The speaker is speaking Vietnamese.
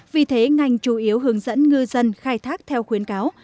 vì thế ngành chủ yếu hướng dẫn ngư dân khai thác theo khuyến cáo